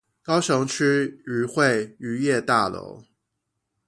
高雄區漁會漁業大樓